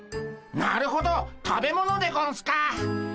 なるほど食べ物でゴンスか。